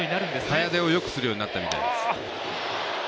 早出をよくするようになったそうです。